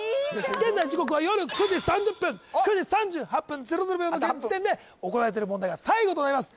現在時刻は夜９時３０分９時３８分００秒の時点で行われてる問題が最後となります